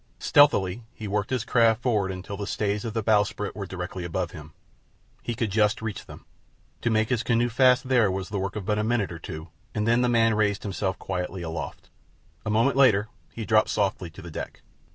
Stealthily he worked his craft forward until the stays of the bowsprit were directly above him. He could just reach them. To make his canoe fast there was the work of but a minute or two, and then the man raised himself quietly aloft. A moment later he dropped softly to the deck.